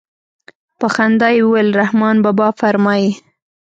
په خندا يې وويل رحمان بابا فرمايي.